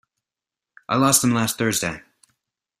I lost them last Thursday.